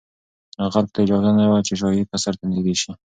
خلکو ته اجازه نه وه چې شاهي قصر ته نږدې شي.